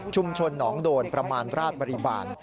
หนองโดนประมาณราชบริบาล